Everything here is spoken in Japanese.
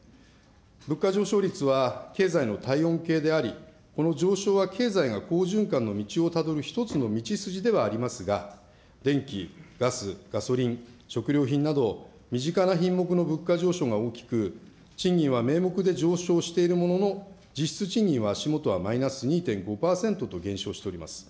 物価上昇率は経済の体温計であり、この上昇は経済が好循環の道をたどる一つの道筋ではありますが、電気・ガス、ガソリン、食料品など身近な品目の物価上昇が大きく、賃金は名目で上昇しているものの、実質賃金は足下はマイナス２．５％と減少しております。